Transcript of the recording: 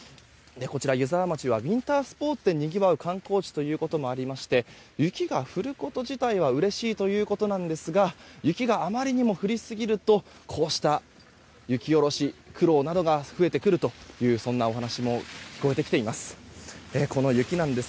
湯沢町はウィンタースポーツでにぎわう観光地ということもありまして雪が降ること自体はうれしいということなんですが雪があまりにも降りすぎるとこうした雪下ろし、苦労などが増えてくるというお話も聞こえてきています。